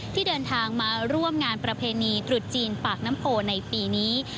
ที่เดินทางมาร่วมงานประเพณีตรุษจีนปากน้ำโพในปีนี้